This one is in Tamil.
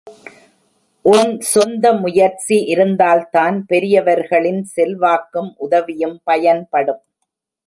உன் சொந்த முயற்சி இருந்தால்தான் பெரியவர்களின் செல்வாக்கும் உதவியும் பயன்படும்.